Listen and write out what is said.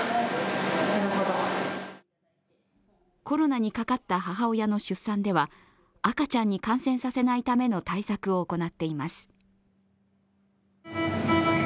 コロナにかかった母親の出産では、赤ちゃんに感染させないための対策を行っています。